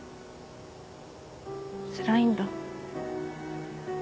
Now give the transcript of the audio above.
つらいんだ。